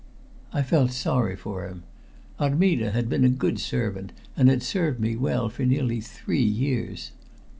I felt sorry for him. Armida had been a good servant, and had served me well for nearly three years.